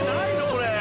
これ。